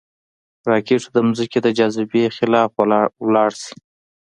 راکټ د ځمکې د جاذبې خلاف ولاړ شي